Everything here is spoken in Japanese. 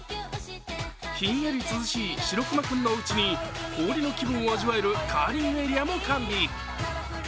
ひんやり涼しい白くまくんのおうちに氷の気分を味わえるカーリングエリアも完備。